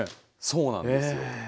そうなんですよ。